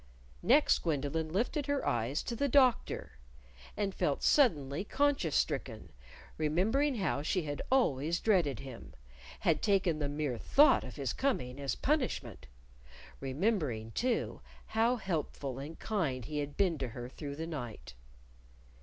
Next, Gwendolyn lifted her eyes to the Doctor, and felt suddenly conscience stricken, remembering how she had always dreaded him, had taken the mere thought of his coming as punishment; remembering, too, how helpful and kind he had been to her through the night.